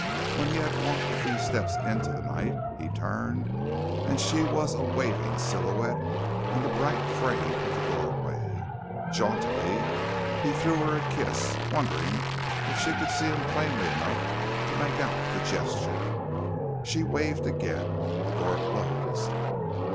When he had walked a few steps into the night, he turned, and she was a waving silhouette in the bright frame of the doorway. Jauntily, he threw her a kiss, wondering if she could see him plainly enough to make out the gesture. She waved again. The door closed.